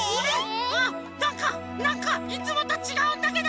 あっなんかなんかいつもとちがうんだけど！